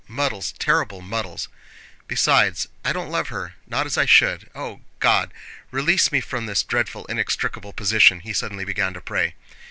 muddles, terrible muddles! Besides, I don't love her—not as I should. O, God! release me from this dreadful, inextricable position!" he suddenly began to pray.